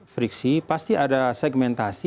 friksi pasti ada segmentasi